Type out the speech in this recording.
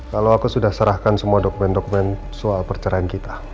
kalau aku sudah serahkan semua dokumen dokumen soal perceraian kita